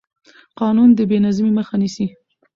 قانون د بې نظمۍ مخه نیسي